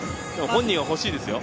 本人は欲しいですよ。